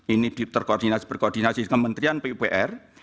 ini berkoordinasi dengan kementerian pupr